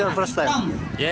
ini pertama kali